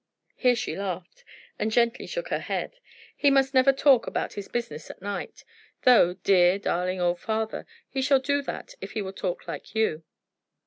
Here she laughed, and gently shook her head. "He must never talk about his business at night. Though, dear, darling old father, he shall do that if he will talk like you.